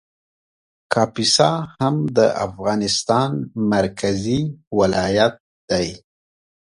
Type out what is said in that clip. کاپیسا هم د افغانستان مرکزي ولایت دی